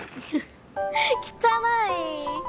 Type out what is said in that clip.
汚い。